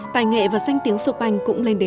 tài nghệ và danh tiếng chopin cũng lên đến tột đỉnh